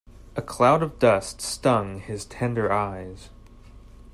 A cloud of dust stung his tender eyes.